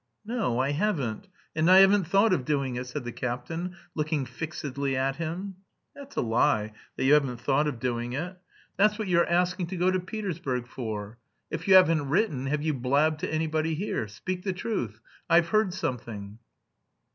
"No, I haven't... and I haven't thought of doing it," said the captain, looking fixedly at him. "That's a lie, that you haven't thought of doing it. That's what you're asking to go to Petersburg for. If you haven't written, have you blabbed to anybody here? Speak the truth. I've heard something."